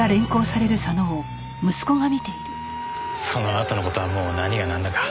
そのあとの事はもう何がなんだか。